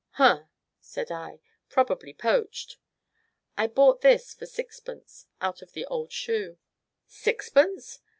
"Hum!" said I, "probably poached." "I bought this for sixpence out of the old shoe." "Sixpence?